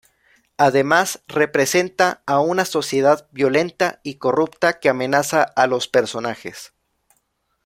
Además, representa a una sociedad violenta y corrupta que amenaza a los personajes.